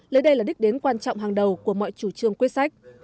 lấy đây là đích đến quan trọng hàng đầu của mọi chủ trương quyết sách